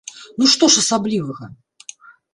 Ну што ж асаблівага!